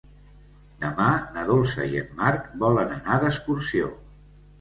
Demà na Dolça i en Marc volen anar d'excursió.